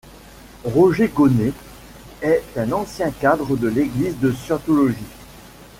Roger Gonnet est un ancien cadre de l'Église de scientologie.